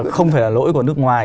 không phải là lỗi của nước ngoài